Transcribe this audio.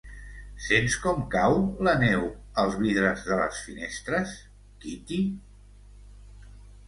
Sents com cau la neu als vidres de les finestres, Kitty?